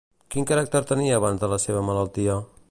Quin caràcter tenia abans de la seva malaltia?